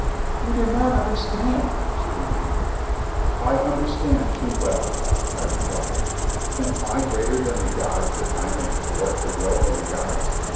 "You do not understand," she repeated. "I understand too well," I replied. "Am I greater than the gods that I may thwart the will of the gods?